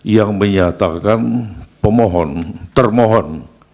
yang menyatakan pemohon termohon